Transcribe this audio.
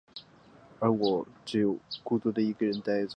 结眼蝶属是眼蝶亚科眼蝶族珍眼蝶亚族中的一个属。